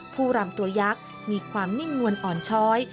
รำตัวยักษ์มีความนิ่มนวลอ่อนช้อย